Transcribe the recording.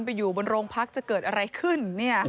ไปอยู่บนโรงพักจะเกิดอะไรขึ้น